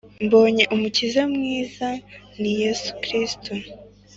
Mbonye umukiza mwiza ni yesu kirisito